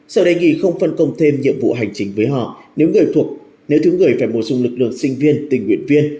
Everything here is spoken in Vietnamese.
sở đề nghỉ không phân công thêm nhiệm vụ hành chính với họ nếu thứ người phải bổ sung lực lượng sinh viên tình nguyện viên